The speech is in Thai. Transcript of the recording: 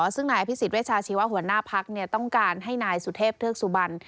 ซึ่งนายอภิษฎเวชาชีวะหัวหน้าพักต้องการให้นายสุเทพเทือกสุบัน